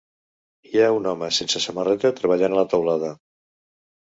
Hi ha un home sense samarreta treballant a la teulada.